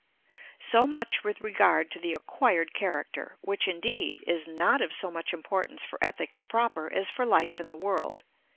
_" So much with regard to the acquired character, which, indeed, is not of so much importance for ethics proper as for life in the world.